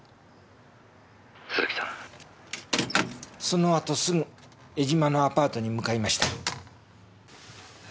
その後すぐ江島のアパートに向かいました。